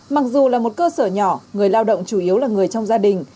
mặc dù là một cơ sở nhỏ người lao động chủ yếu là người trong gia đình